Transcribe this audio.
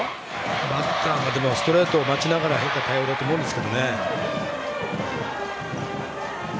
バッターはストレートを待ちながら変化球対応だと思います。